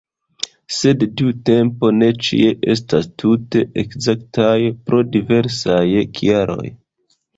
Sed tiu tempo ne ĉie estas tute ekzaktaj pro diversaj kialoj.